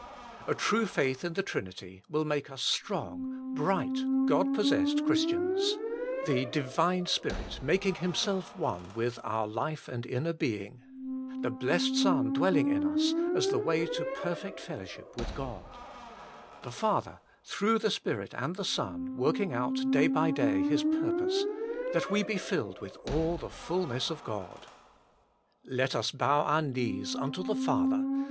A true faith in the Trinity will make us strong, bright, God possessed Christians. The Divine Spirit making Himself one with our life and inner being; the Blessed Son dwelling in us, as the way to perfect fellowship with God; the Father, through the Spirit and the Son work ing out day by day His purpose — ^that we be filled with all the fulness of God. Let us bow our knees unto the Father